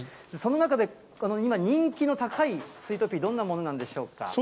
その中で、今人気の高いスイートピー、どんなものなんでしょうか。